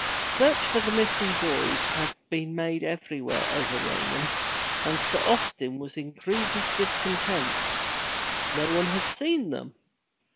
Search for the missing boys had been made everywhere over Raynham, and Sir Austin was in grievous discontent. No one had seen them.